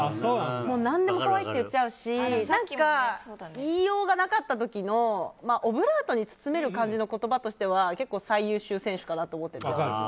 何でも可愛いって言っちゃうし言いようがなかった時のオブラートに包める言葉としては結構最優秀選手かなと思ってます。